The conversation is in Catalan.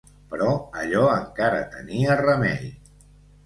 Però allò encara tenia remei.